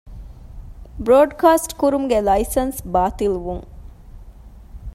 ބްރޯޑްކާސްޓްކުރުމުގެ ލައިސަންސް ބާޠިލްވުން